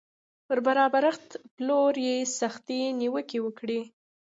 پر برابرښت پلور یې سختې نیوکې وکړې